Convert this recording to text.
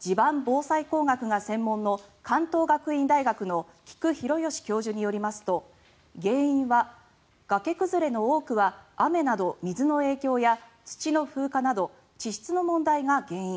地盤防災工学が専門の関東学院大学の規矩大義教授によりますと原因は崖崩れの多くは雨など水の影響や土の風化など、地質の問題が原因